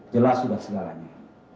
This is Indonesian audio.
jelas sudah segalanya